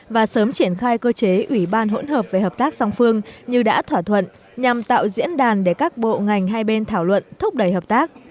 và sớm triển khai cơ chế ủy ban hỗn hợp về hợp tác song phương như đã thỏa thuận nhằm tạo diễn đàn để các bộ ngành hai bên thảo luận thúc đẩy hợp tác